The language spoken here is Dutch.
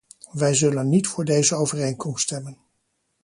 Wij zullen niet voor deze overeenkomst stemmen.